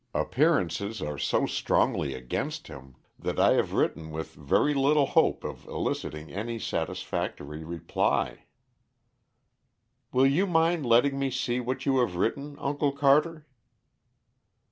Appearances are so strongly against him that I have written with very little hope of eliciting any satisfactory reply." "Will you mind letting me see what you have written, Uncle Carter?"